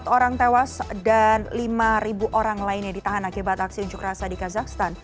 satu ratus enam puluh empat orang tewas dan lima orang lainnya ditahan akibat aksi unjuk rasa di kazakhstan